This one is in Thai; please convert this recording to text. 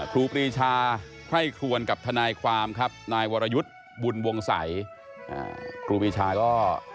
ครูปริชาให้ควรกับทนายความครับนายวรยุทธ์บุญวงสรรเกี่ยวกับครูปิชาก็